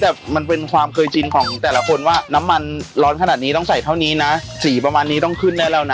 แต่มันเป็นความเคยชินของแต่ละคนว่าน้ำมันร้อนขนาดนี้ต้องใส่เท่านี้นะสีประมาณนี้ต้องขึ้นได้แล้วนะ